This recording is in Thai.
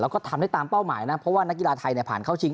แล้วก็ทำได้ตามเป้าหมายนะเพราะว่านักกีฬาไทยผ่านเข้าชิง